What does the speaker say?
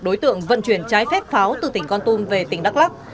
đối tượng vận chuyển trái phép pháo từ tỉnh con tum về tỉnh đắk lắc